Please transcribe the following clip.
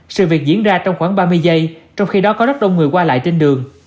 sự việc diễn ra trong khoảng ba mươi giây trong khi đó có rất đông người qua lại trên đường